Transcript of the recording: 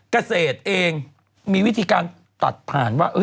เกษตรเองมีวิธีการตัดผ่านว่า